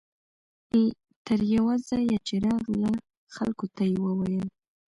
تر یوه ځایه چې راغله خلکو ته یې وویل.